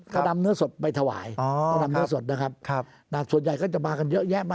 เขานำเนื้อสดไปถวายก็นำเนื้อสดนะครับส่วนใหญ่ก็จะมากันเยอะแยะมาก